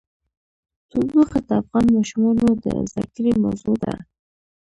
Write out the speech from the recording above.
تودوخه د افغان ماشومانو د زده کړې موضوع ده.